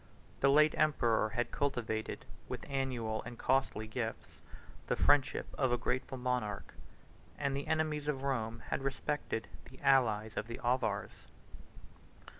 The late emperor had cultivated, with annual and costly gifts, the friendship of a grateful monarch, and the enemies of Rome had respected the allies of the Avars.